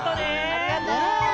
・ありがとう。